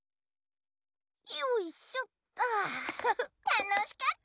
よいしょっ。